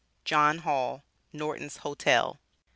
JOHN HALL Nortons Hotel.